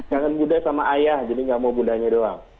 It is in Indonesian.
kangen bunda sama ayah jadi gak mau bundanya doang